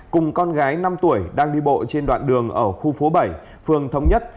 cùng con gái năm tuổi đang đi bộ trên đoạn đường ở khu phố bảy phường thống nhất